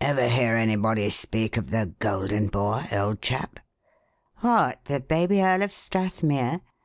Ever hear anybody speak of the 'Golden Boy,' old chap?" "What! The baby Earl of Strathmere?